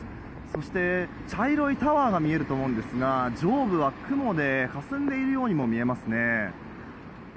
そして、茶色いタワーが見えると思うんですが上部は雲でかすんでいるようにも見えますね。